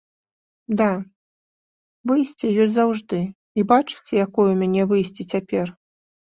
Да, выйсце ёсць заўжды і бачыце, якое ў мяне выйсце цяпер?